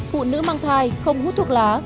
phụ nữ mang thai không hút thuốc lá